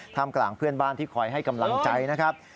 กลางเพื่อนบ้านที่คอยให้กำลังใจนะครับ